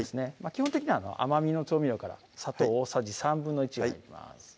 基本的には甘みの調味料から砂糖大さじ１／３が入ります